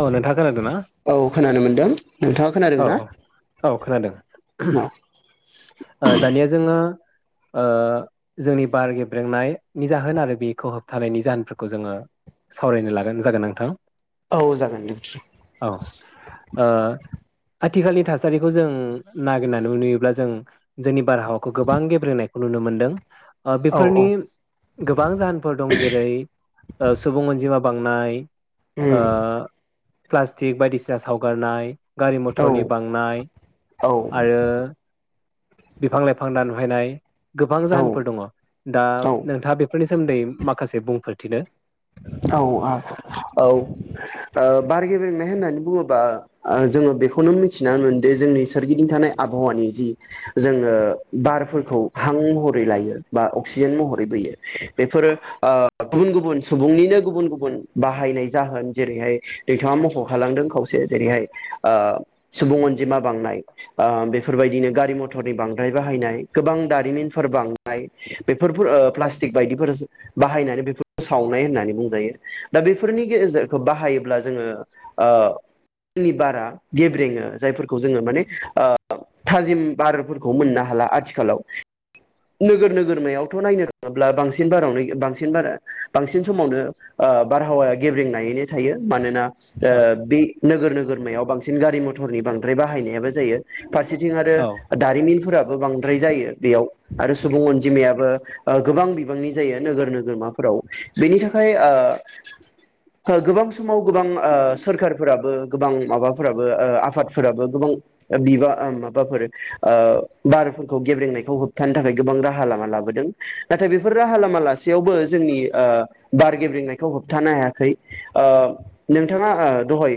औ नोंथाङा खोनादों ना औ खोनानो मोनदों नोंथाङा? खोनादों औ ना औ खोनादों औ ओ दानिया जोङो ओ जोंनि बार गेब्रेंनायनि जाहोन आरो बेखौ होबथानायनि जाहोनफोरखौ जोङो सावरायनो लागोन जागोन नोंथां। औ जागोन दे। औ ओ आथिखालनि थासारिखौ जों नागिरनानै नुयोब्ला जों जोंनि बारहावाखौ गोबां गेब्रेनायखौ नुनो मोनदों। ओ औ औ बेफोरनि गोबां जाहोनफोर दं जेरै ओ सुबुं अनजिमा बांनाय। ओ उम प्लास्टिक बायदिसिना सावगारनाय। गारि औ मथरनि बांनाय औ आरो बिफां लाइफां दानफायनाय। गोबां जाहोनफोर दङ दा औ नोंथाङा बेफोरनि सोमोन्दै माखासे बुंफोर थिदो औ औ ओ बार गेबेंनाय होननानै बुङोबा जोङो बेखौनो मिथिनानै मोनदि जोंनि सोरगिदिं थानाय आबहावानि जि जोङो बारफोरखौ हां महरै लायो बा अक्सिजेन महरै बोयो बेफोरो ओ गुबुन गुबुन सुबुंनिनो गुबुन गुबुन बाहायनाय जाहोन जेरैहाय नोंथाङा मखखालांदों खावसे जेरैहाय ओ सुबुं अनजिमा बांनाय ओ बेफोरबायदिनो गारि मथरनि बांद्राय बाहायनाय गोबां दारिमिनफोर बांनाय बेफोरफोर ओ प्लास्टिक बायदिफोर बाहायनानै बेफोर सावनाय होननानै बुंजायो दा बेफोरनि गेजेरजों खौ बाहायोब्ला जोङो ओ जोंनि बारा गेब्रेङो जायफोरखौ जोङो माने ओ ओ थाजिम बारफोरखौ मोननो हाला आथिखालाव नोगोर नोगोरमायावथ नायनो थाङोब्ला बांसिन बारावनो बांसिन बारा बांसिन समावनो ओ बारहावाया गेब्रें नायैनो थायो मानोना ओ औ बे नोगोर नोगोरमायाव बांसिन गारि मथ नि बांद्राय बाहायनायाबो जायो फारसेथिं औ आरो दारिमिनफोराबो ओ बांद्राय जायो बेयाव आरो सुबुं अनजिमायाबो ओ गोबां बिबांनि जायो नोगोर नोगोरमाफोराव। बेनि थाखाय ओ गोबां समाव गोबां ओ सोरखारफोराबो गोबां माबाफोराबो ओ आफादफोराबो गोबां बिबा माबाफोर ओ बारफोरखौ गेब्रेंनायखौ होबथानो थाखाय गोबां राहा लामा लाबोदों नाथाय बेफोर राहा लामा लासेयावबो जोंनि ओ बार गेब्रेंनायखौ होबथानो हायाखै ओ नोंथाङा ओ दहाय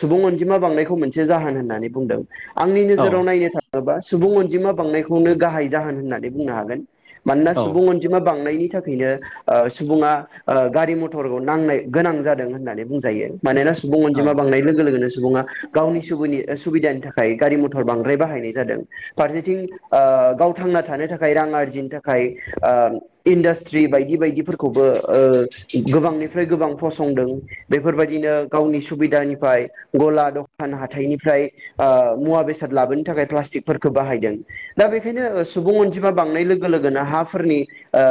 सुबुं अनजिमा बांनायखौ मोनसे जाहोन होननानै बुंदों। आंनि औ नोजोराव नायनो थाङोबा सुबुं अन अनजिमा बांनायखौनो गाहाय जाहोन होननानै बुंनो हागोन। मानोना औ सुबुं अनजिमा बांनायनि थाखायनो ओ सुबुङा ओ गारि मथरगो नांनाय गोनां जादों होननानै बुंजायो। मानोना सुबुं अनजिमा बांनाय लोगो लोगोनो सुबुङा गावनि सुबुनि ओ सुबिदानि थाखाय गारि मथर बांद्राय बाहायनाय जादों फारसेथिं ओ गाव थांना थानो थाखाय रां आरजिनो थाखाय ओ इडास्ट्रि बायदि बायदि फोर खौबो ओ गोबांनिफ्राय गोबां फसंदों बेफोरबायदिनो गावनि सुबिदानिफाय गला दखान हाथाइनिफ्राय ओ मुवा बेसाद लाबोनो थाखाय प्लास्टिकफोरखौ बाहायदों दा बेखायनो सुबुं अनजिमा बांनाय लोगो लोगोनो हाफोरनि ओ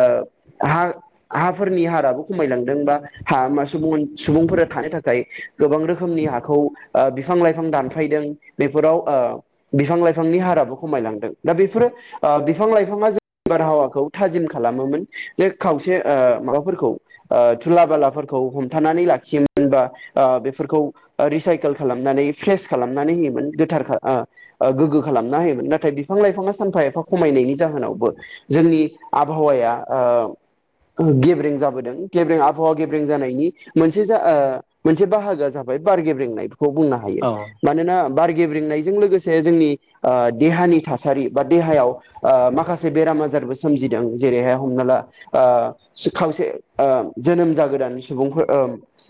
हा हाफोरनि हाराबो खमायलांदों बा हा मा सुबुं अन सुबुंफोरा थानो थाखाय गोबां रोखोमनि हाखौ ओ बि फां लाइफां दानफायदों बेफोराव ओ बिफां लाइफांनि हाराबो खमायलांदों दा बेफोरो ओ बिफां लाइफाङा जो बारहावाखौ थाजिम खालामोमोन जे खावसे ओ माबाफोरखौ ओ थुला बालाफोरखौ हमथानानै लाखियोमोन बा ओ बेफोरखौ रिसाइकेल खालामनानै फ्रेस खालामनानै होयोमोन गोथार खा ओ ओ गोग्गो खालामना होयोमोन नाथाय बिफां लाइफाङा सानफा एफा खमायनायनि जाहोनावबो जोंनि आबहावाया ओ ओ गेब्रें जाबोदों गेब्रें आबहावा गेब्रें जानायनि मोनसे जा ओ मोनसे बाहागोआ जाबाय बार गेब्रेंनाय खौबुंनो हायो औ मानोना बार गेब्रेंंनायजों लोगोसे जोंनि ओ देहानि थासारि बा देहायाव ओ माखासे बेराम आजारबो सोमजिदों जेरैहाय हमना ला ओ सो-खावसे ओ जोनोम जागोदान सुबुंफोर ओ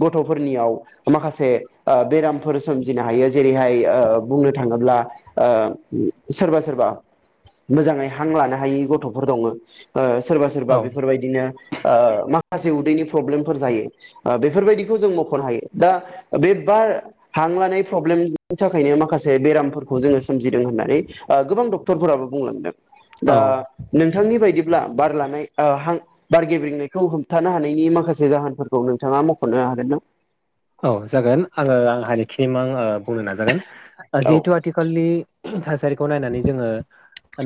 गथफोरनियाव माखासे ओ बेरामफोर सोमजिनो हायो जेरैहाय ओ बुंनो थाङोब्ला ओ सोरबा सोरबा मोजाङै हां लानो हायि गथफोर दङो। ओ सोरबा सोरबा औ बे बिदिनो ओ माखासे उदैनि प्रब्लेमफोर जायो बेफोरबायदिखौ जों मखनो हायो दा बे बार हां लानाय प्रब्लेमनि थाखायनो माखासे बेरामफोरखौ जोङो सोमजिदों होननानै ओ गोबां डक्टरफोराबो बुंलांदों औ दा नों थांनि बायदिब्ला बार लानाय ओ हां बारगेब्रंनायखौ होबथानो हानायनि माखासे जाहोनफोरखौ नोंथाङा मखनो हागोन ना? औ जागोन आङो आं हानाय खिमां ओ बुंनो नाजागोन। ओ औ जिहेतु आथिखालनि थासारिखौ नायनानै जोङो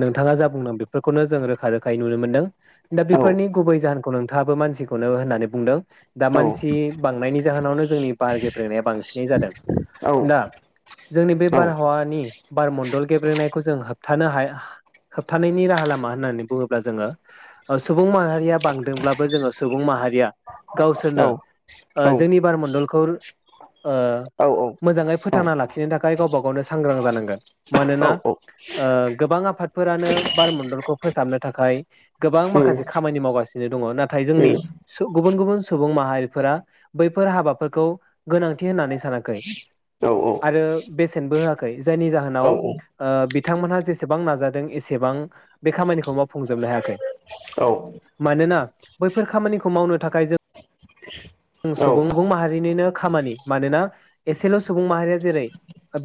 नोंथाङा जा बुंदों बेफोरखौनो जों रोखा रोखायै नुनो मोनदों। दा औ बेफोरनि गुबै जाहो खौ नोंथाङाबो मानसिखौनो होननानै बुंदों दा औ मानसि बांनायनि जाहोनावनो जोंनि बार गेब्रेनाया बांसिनै जादों औ दा जोंनि बे औ बारहावानि बारमण्डल गेब्रेनायखौ जों होबथानो हाया होबथानायनि राहा लामा होननानै बुङोब्ला जोङो ओ सुबुं माहारिया बांदोंब्लाबो जोङो सुबुं माहारिया गावसोरनो औ औ ओ जोंनि बारमण्डल खुर ओ मोजाङै औ फोथांना लाखिनो थाखाय गावबा गावनो सांग्रां जानांगोन औ मानोना औ ओ गोबां आफादफोरानो बार मण्डलखौ फोसाबनो थाखाय गोबां उम माखासे खामानि मावगासिनो दङ नाथाय जोंनि उम सु गुबुन गुबुन सुबुं माहारिफोरा बैफोर हाबाफोर खौ गोनांथि होननानै सानाखै औ आरो बेसेनबो होआखै। खै जायनि जाहोनाव ओ बेफो बिथांमोनहा जेसेबां नाजादों एसेबां बे खामानिखौ माव फुंजोबनो हायाखै मानोना बैफोर खामानिखौ मावनो थाखाय जों [unintelligible] औ सुबुं माहारिनिनो खामानि मानोना एसेल सुबुं माहारिया जेरै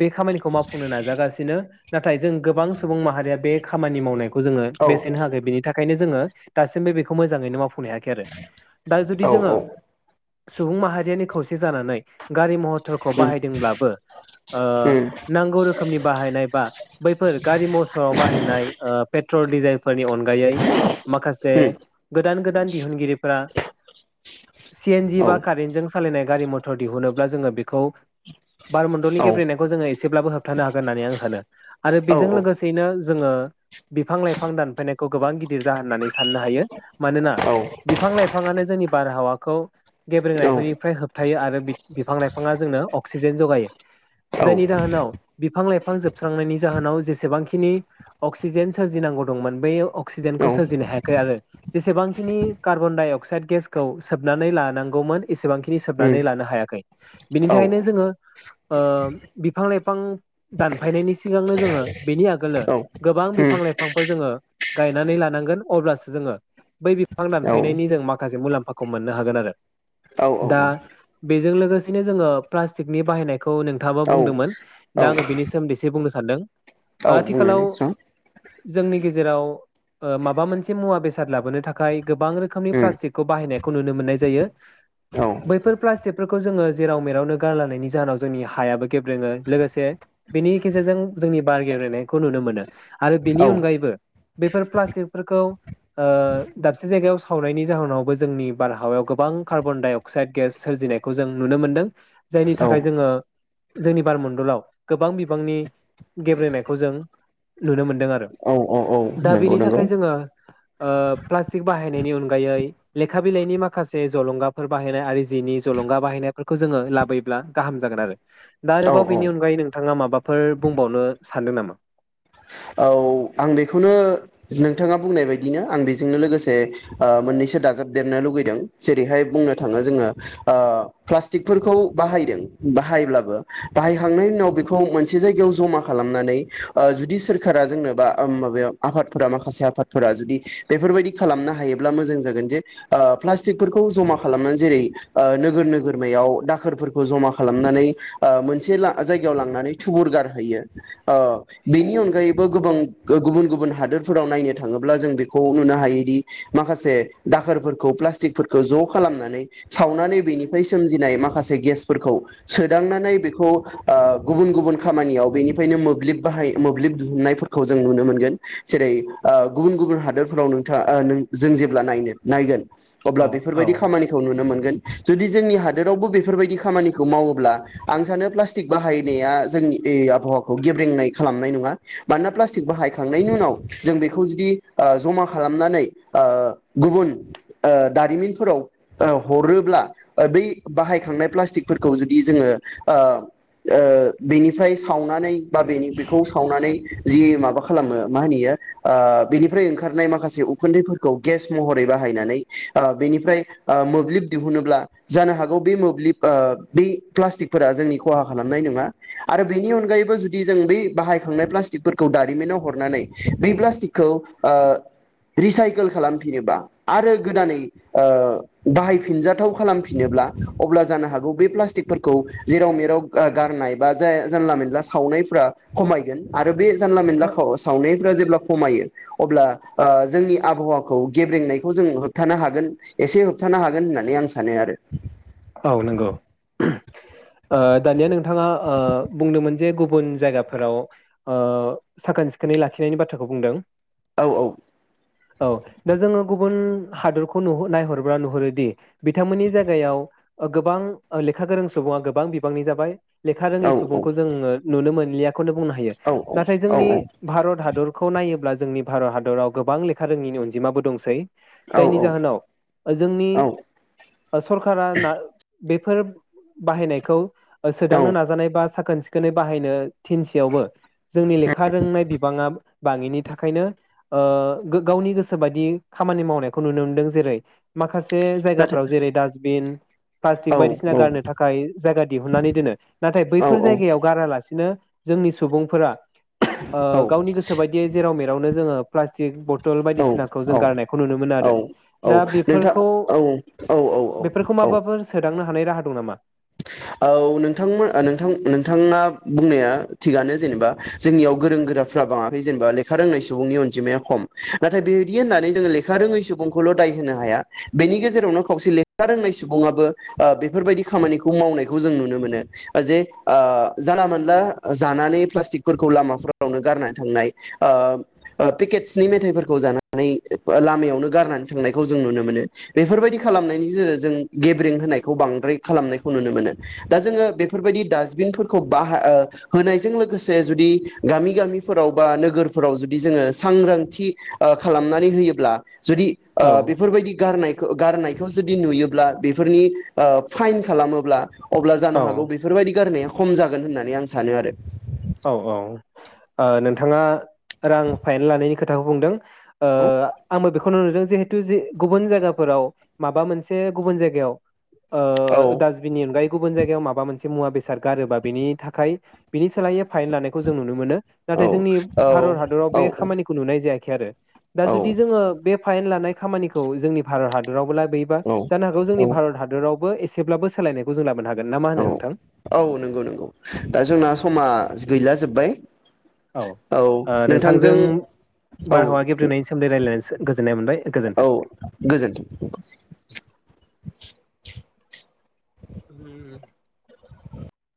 बे खामानिखौ मावफुंनो नाजागासिनो नाथाय जों गोबां सुबुं माहारिया बे खामानि मावनायखौ जोङो औ बेसेननो हाखै बेनि थाखाय ओंखायनो जोङो दासिमबो बेखौ मोजाङैनो मावफै बुंनो हायाखै आरो दा जुदि औ उम औ जोङो सुबुं माहारियानि खौसे जानानै गारि महटरखौ बाहायदोंब्लाबो ओ नांगौ रोखोमनि बाहायनाय बा बैफोर गारि मथराव बाहायनाय ओ पेट्रल डिजेलफोरनि अनगायै माखासे गोदान गोदान दिहुनगिरिफोरा सि एनजि बा कारेन्टजों सालायनाय गारि मथर दिहुनोब्ला जोङो बेखौ बारम्डलनि गब्रेनायखौ जोङो एसेब्लाबो होब हाबथानो हागन होननानै आं सानो। आरो बेजों लोगोसेयैनो जोङो बिफां लाइफां दानफायनायखौ गोबां गिदिर जाहोन होननानै साननो हायो मानोना औ उम औ उम औ बिफां लाइफाङानो जोंनि बारहावाखौ खौ गेब्रेंनायफोरनिफ्राय होबथायो आरो बिफां लाइफाङा जोंनो अक्सिजेन जगायो जायनि जाहोनाव बिफां लाइफां जोबस्रांनायनि जाहोनाव जेसेबांखिनि अक्सिजेन सोरजिनांगौ दंमोन बै अक्सिजेनखौ सोरजिनो हायाखै आरो जेसेबांखिनि कार्बन डाइ अक्साइद गेसखौ सोबनानै लानांगौमोन एसेबांखिनि सोबनानै लानो हायाखै बिनि थाखायनो जोङो ओ बिफां लाइफां दानफायनायनि सिगांनो जोङो बेनि आगोलनो गोबां बिफां लाइफांफोर जोङो गायनानै लानांगोन अब्लासो जोङो बै बिफां दानफायनायनि जों माखासे मुलाम्फा खौ मोननो हागोन आरो औ दा बेजों लोगोसेनो जोङो प्लास्टिकनि बाहायनायखौ नोंथाङाबा बुंदोंमोन औ औ दा आङो बेनि सोमोन्दैसे बुंनो सानदों। आथिखालाव बुंनायलाय स्रां जोंनि गेजेराव ओ माबा मोनसे मुवा बेसाद लाबोनो थाखाय गोबां रोखोमनि उम प्लास्टिकखौ बाहायनाय नुनो मोननाय जायो बैफोर प्लास्टिकफोरखौ जोङो जेराव मेरावनो गारलनायनि जाहोनाव जोंनि हायाबो गेब्रेङो लोगोसे बेनि गेजेरजों जोंनि बार गेब्रेनायखौ नुनो मोनो आरो बेनि औ अनगायैबो बैफोर प्लास्टिकफोरखौ ओ दाबसे जायगायाव सावनायनि जाहोनावबो जोंनि बार हावायाव गोबां कार्बनदायअक्स गिनाय जों नुनो मोन जायनि औ थाखाय जोङो जोंनि बारमडलाव गोबां बिबांनि गेब्रेंनायखौ जों नुनो मोनदों आरो औ औ औ दा नंगौ बेनि नंगौ थाखाय जोङो ओ प्लास्टिक बाहायनायनि अनगायैे लेखा बिलाइनि माखासे जलंगाफोर बाहायनाय आरो जिनि जलंगा बाहायनायफोरखौ जोङो लाबोयोब्ला गाहाम जागोन आरो दा औ आरोबाव औ बेनि अनगायै नोंथाङा माबाफोर बुंबावनो सानदों नामा? औ आं बेखौनो नोंथाङा बुंनाय बायदिनो आं बेजोंनो लोगोसे मोननैसो दाजाबदेरनो लुुबैदों जेरैहाय बुंनो थाङो जोङो प्लास्टिकफोरखौ बाहायदों बाहायब्लाबो बाहायखांनायनि उनाव बेखौ मोनसे जायगायाव जमा खालामनानै जुदि सोरखारा जोंनोबा माबायाव आफादफोरा माखासे आफादफोरा जुदि बेफोरबायदि खालामनो हायोब्ला मोजां जागोन जे प्लास्टिकफोरखौ जमा खालामनानै जेरै नोगोर नोगोरमायाव दाखोरफोरखौ जमा खालामनानै मोनसे जायगायाव लांनानै थुबुर गारहैयो बेनि अनगायैबो गोबां गुबुन गुबुन हादोरफोराव नायनो थाङोब्ला जों बेखौ नुनो हायोदि माखासे दाखोरफोरखौ प्लास्टिकफोरखौ ज खालामनानै सावनानै बेनिफ्राय सोमजिनाय माखासे गेसफोरखौ सोदांनानै बेखौ गुबुन गुबुन खामानियाव बेनिफ्रायनो मोब्लिब बाहाय मोब्लिब दिहुननायफोरखौ जों नुनो मोनगोन। जेरै गुबुन गुबुन हादोरफोराव नोंथाङा जों जेब्ला नायनो नायगोन औ अब्ला औ बेफोरबायदि खामानिखौ नुनो मोनगोन। जुदि जोंनि हादोरावबो बेफोरबायदि खामानिखौ मावोब्ला आं सानो प्लास्टिक बाहायनाया जोंनि आबहावाखौ गेब्रेंनाय खालामनाय नङा मानोना प्लास्टिक बाहायखांनायनि उनाव जों बेखौ जुदि ओ जमा खालामनानै ओ गुबुन दारिमिनफोराव हरोब्ला बै बाहायखांनाय प्लाटिकफोरखौ जुदि जोङो ओ बेनिफ्राय सावनानै बा बेखौ सावनानै जि माबा खालामो मा होनो इयो ओ बेनिफ्राय ओंखारनाय माखासे उखुन्दैफोरखौ गेस महरै बाहायनानै ओ बेनिफ्राय ओ मोब्लिब दिहुन खौ दारिमिनाव हरनानै बे प्लास्टिकखौ ओ रिसाइकोल खालामफिनोबा आरो गोदानै बाहायफिनजाथाव खालामफिनोब्ला अब्ला जानो हागौ बे प्लास्टिकफोरखौ जेराव मेराव गारनाय बा जानला मोनला सावनायफ्रा खमायगोन आरो बे जानला मोनलाखौ सावनायफोरा जेब्ला खमायो अब्ला ओ जोंनि आबहावाखौ गेब्रेंनायखौ जों होबथानो हागोन एसे। होबथानो हागोन होननानै आं सानो आरो। औ नंगौ ओ दानिया नोंथाङा ओ बुंदोंमोन जे गुबुन जायगाफोराव साखोन सिखोनै लाखिनायनि बाथ्राखौ बुंदों। औ औ। औ दा जोङो गुबुन हादरखौ नु नायहरोबा नुहुरोदि बिथांमोननि जायगायाव ओ गोबां लेखा गोरों सुबुङा गोबां बिबांनि जाबाय। लेखा औ रोङि सुबुंखौ जोङो नुनो मोन खौनो बुंनो हायो औ नाथाय औ जोंनि भारत हादरखौ नायोब्ला जोंनि भारत हादराव गोबां लेखा रोङिनि अनजिमाबो दंसै। औ जायनि औ जाहोनाव जोंनि औ सरखारा ना बेफोर बाहायनायखौ औ सोदांनो नाजानाय बा साखोन सिखोनै बाहायनो थिनसेयावबो जोंनि लेखा रोंनाय बिबाङा बाङिनि थाखायनो गावनि गोसो बायदि खामानि मावनायखौ नुनो मोनदों जेरै माखा से नाथाय जायगाफ्राव जेरै डास्टबिन प्लास्टिक औ बायदिसिना औ गारनो थाखाय जायगा दिहुननानै दोनो नाथाय बैफोर जायगायाव गारालासिनो जोंनि सुबुंफोरा ओ गावनि गोसो बायदियै जेराव मेरावनो जोङो प्लास्टिक ब औ औ औ औ दा नोंथां बेफोरखौ औ औ औ औ औ थांनो हानाय राहा दं नामा? औ नोंथांमोन नोंथां नोंथाङा बुंनाया थिगानो जेनेबा जोंनियाव गोरों गोराफ्रा बाङाखै जेनेबा लेखा रोंनाय सुबुंनि अनजिमाया खम नाथाय बेदि होननानै जोंङो लेखा रोङै सुबुंखौल दाय होनो हाया बेनि गेजेरावनो खावसे लेखा रोंनाय सुबुङाबो बेफोरबायदि खामानिखौ मावनायखौ जों नुनो मोनो जे ओ जानला मोनला जानानै प्लास्टिकफोरखौ लामाफोरावनो गारनानै थांनाय ओ पेकेटसनि मेथाइफोरखौ जानानै लामायावनो गारनानै थांनायखौ जों नुनो मोनो बेफोरबायदि खालामनायनि गेजेरजों जों गेब्रें होनायखौ बांद्राय खालामनाय खौ नुनो मोनो दा जोङो बेफोरबायदि डासबिनफोरखौ बाहा ओ होनायजों लोगोसे जुदि गामि गामिफोराव बा नोगोरफोराव जुदि जोङो सांग्रांथि ओ खालामनानै होयोब्ला जुदि ओ औ बेफोरबायदि गारनाय खौ गारनायखौ जदि नुयोब्ला बेफोरनि ओ फाइन खालामोब्ला अब्ला जानो औ हागौ बेफोरबायदि गारनायाव खम जागोन होननानै आं सानो आरो औ औ ओ नोंथाङा रां फाइन लानायनि खोथाखौ बुंदों ओ आंबो बेखौनो नुदों जिहेथु जे गुबुन जायगाफोराव माबा मोनसे गुबुन जायगायाव औ ओ दासबिननि आनगायै गुबुन जायगायाव माबा मोनसे मुवा बेसाद गारोबा बिनि थाखाय बिनि सोलायै फाइन लानायखौ जों नुनो मोनो‌ औ नाथाय जोंनि औ भारत हादराव औ बे खामानिखौ नुनाय जायाखै खै आरो दा जुदि जोङो बे फाइन लानाय खामानिखौ जोंनि भारत हादरावबो ला बोयोबा औ जानो हागौ जोंनि औ भारत हादराव बो एसेब्लाबो सोलायनायखौ जों लाबो हागोन। ना मा होनो औ नोंथां? औ नंगौ नंगौ दा जोंना समा गैला जोब्बाय औ ओ नोंथांजों औ बारहावा गेब्रेंनायनि सोमोन्दै रायलायना सो गो औ गोजोनथों हम